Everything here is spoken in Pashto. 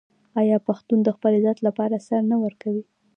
آیا پښتون د خپل عزت لپاره سر نه ورکوي؟